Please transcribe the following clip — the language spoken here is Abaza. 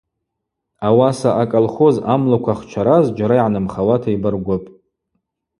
Ауаса аколхоз амлыкв ахчара зджьара йгӏанымхауата йбаргвыпӏ.